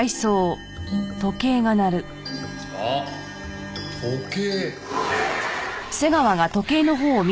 あっ時計。